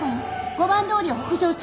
五番通りを北上中。